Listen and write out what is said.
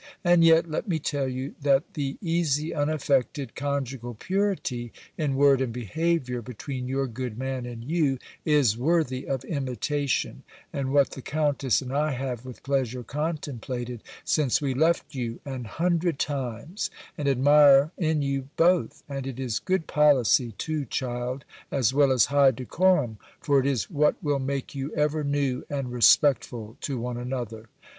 And yet, let me tell you, that the easy, unaffected, conjugal purity, in word and behaviour, between your good man and you, is worthy of imitation, and what the countess and I have with pleasure contemplated since we left you, an hundred times, and admire in you both: and it is good policy too, child, as well as high decorum; for it is what will make you ever new and respectful to one another.